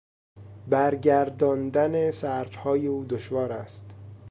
برگرداندن سروهای او دشوار است.